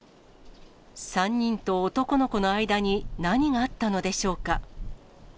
３人と男の子の間に、何があったのでしょうか。